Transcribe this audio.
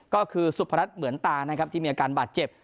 ก็คือสุพรัชเหมือนตานะครับที่มีอาการบาดเจ็บ